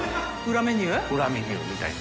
▲瓮縫紂次裏メニューみたいな。